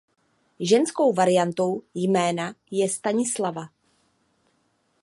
Ženskou variantou jména je Stanislava.